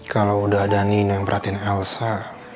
kalau udah ada nina yang perhatiin elsa